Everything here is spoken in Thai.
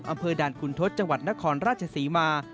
อำเภอด่านคุณทศจังหวัดนครราชศรีมา